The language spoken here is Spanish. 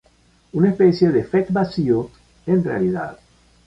Una especie de fake vacío, en realidad.